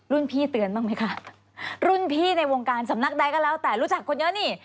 พี่เตือนบ้างไหมคะรุ่นพี่ในวงการสำนักใดก็แล้วแต่รู้จักคนเยอะนี่